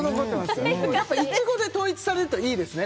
やっぱいちごで統一されるといいですね